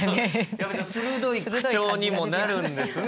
やっぱり鋭い口調にもなるんですね